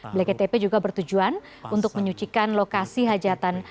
bleket tepe juga bertujuan untuk menyucikan lokasi hajatan